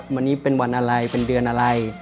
วันนี้เป็นวันอะไรเป็นเดือนอะไร